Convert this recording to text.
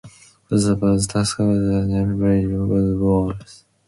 Rostislav's task was the creation of a buffer zone along the southern borders.